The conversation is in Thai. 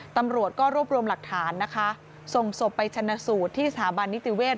ตำรวจก็รวบรวมหลักฐานนะคะส่งศพไปชนะสูตรที่สถาบันนิติเวศ